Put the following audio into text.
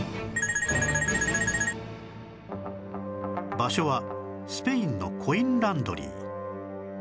場所はスペインのコインランドリー